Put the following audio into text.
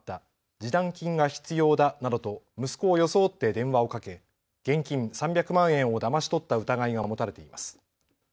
示談金が必要だなどと息子を装って電話をかけ現金３００万円をだまし取った疑いが持たれています。